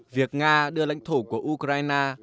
việc nga đưa lãnh thổ của ukraine